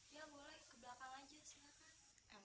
ya boleh ke belakang aja silahkan